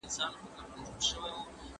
یوازې مخ لوڅول کافي نه دي.